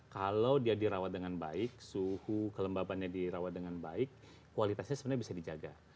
kalau dia dirawat dengan baik suhu kelembabannya dirawat dengan baik kualitasnya sebenarnya bisa dijaga